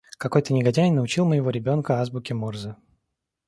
Какой-то негодяй научил моего ребёнка азбуке Морзе.